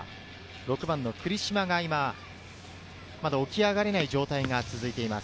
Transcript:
６番・栗島がまだ起き上がれない状態が続いています。